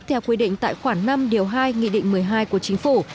theo quy định tại khoản năm hai một mươi hai của chính phủ